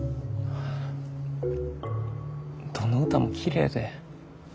どの歌もきれいで。